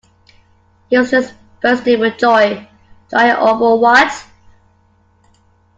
He was just bursting with joy, joy over what.